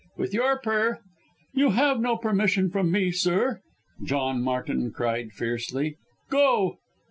With your per " "You have no permission from me, sir," John Martin cried fiercely. "Go!"